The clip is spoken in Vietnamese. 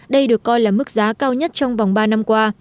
đây được coi là mức giá cao nhất trong vòng ba năm qua